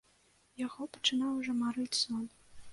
Яго пачынаў ужо марыць сон.